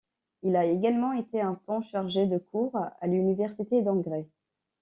Il a également été un temps chargé de cours à l'université d'Angers.